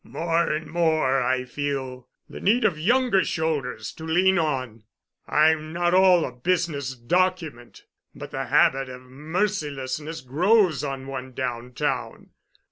More and more I feel the need of younger shoulders to lean on. I'm not all a business document, but the habit of mercilessness grows on one downtown.